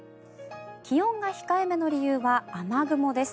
気温が控えめの理由は雨雲です。